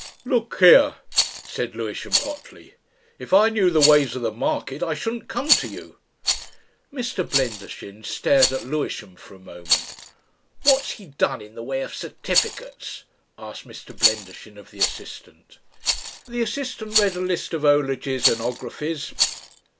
"Look here!" said Lewisham hotly; "if I knew the ways of the market I shouldn't come to you." Mr. Blendershin stared at Lewisham for a moment. "What's he done in the way of certificates?" asked Mr. Blendershin of the assistant. The assistant read a list of 'ologies and 'ographies.